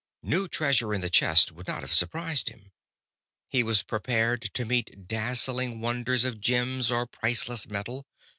New treasure in the chest would not have surprised him. He was prepared to meet dazzling wonders of gems or priceless metal.